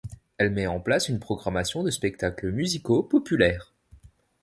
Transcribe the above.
Elle met en place une programmation de spectacles musicaux populaires.